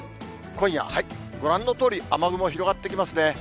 今夜、はい、ご覧のとおり、雨雲、広がっていきますね。